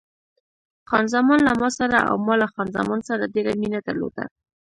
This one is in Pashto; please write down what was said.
خان زمان له ما سره او ما له خان زمان سره ډېره مینه درلوده.